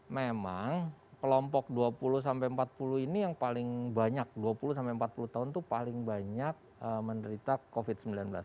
memang kelompok dua puluh sampai empat puluh ini yang paling banyak dua puluh empat puluh tahun itu paling banyak menderita covid sembilan belas